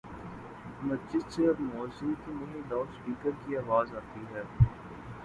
مسجد سے اب موذن کی نہیں، لاؤڈ سپیکر کی آواز آتی ہے۔